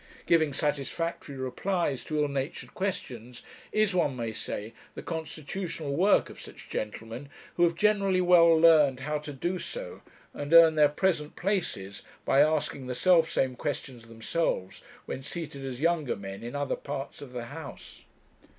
Giving satisfactory replies to ill natured questions is, one may say, the constitutional work of such gentlemen, who have generally well learned how to do so, and earned their present places by asking the selfsame questions themselves, when seated as younger men in other parts of the House.